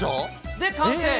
で、完成。